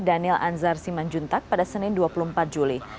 daniel anzar simanjuntak pada senin dua puluh empat juli